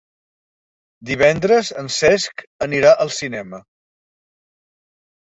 Divendres en Cesc anirà al cinema.